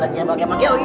dan jembal kemang keu